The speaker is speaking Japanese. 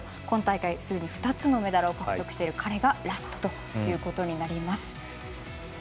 今大会、すでに２つメダルを獲得している彼がラストということになります。